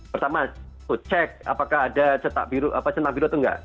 pertama cek apakah ada cetak biru atau nggak